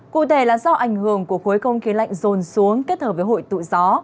cụ thể là do ảnh hưởng của khối không khí lạnh rồn xuống kết hợp với hội tụ gió